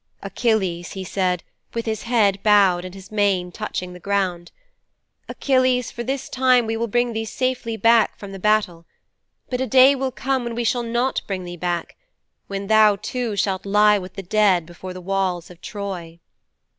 "Achilles," he said, with his head bowed and his mane touching the ground, "Achilles, for this time we will bring thee safely back from the battle. But a day will come when we shall not bring thee back, when thou too shalt lie with the dead before the walls of Troy."'